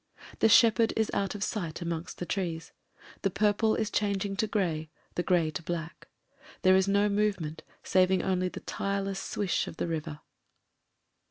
The shepherd is out of sight amongst the trees; the purple is changing to grey, the grey to black; there is no movement saving only the tireless swish of the river.